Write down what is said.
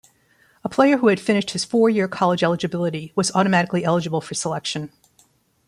A player who had finished his four-year college eligibility was automatically eligible for selection.